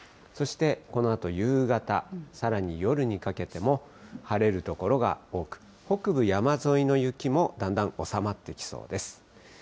そしてこのあと夕方、さらに夜にかけても、晴れる所が多く、北部山沿いの雪もだんだん収まってきそうです。